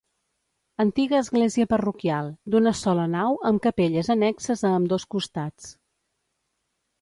Antiga església parroquial, d'una sola nau amb capelles annexes a ambdós costats.